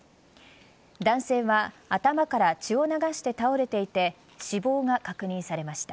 男性は頭から血を流して倒れていて死亡が確認されました。